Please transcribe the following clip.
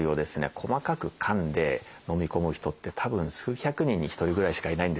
細かくかんでのみ込む人ってたぶん数百人に一人ぐらいしかいないんですよ。